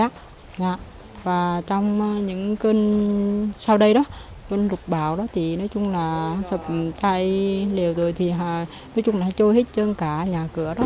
dạ và trong những cơn sau đây đó cơn lục bão đó thì nói chung là sập chai liều rồi thì nói chung là trôi hết chân cả nhà cửa đó